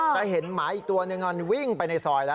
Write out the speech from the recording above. จะเห็นหมาอีกตัวหนึ่งมันวิ่งไปในซอยแล้ว